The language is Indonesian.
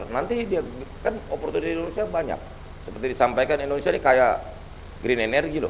nanti dia kan opportunity indonesia banyak seperti disampaikan indonesia ini kayak green energy loh